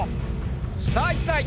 さぁ一体？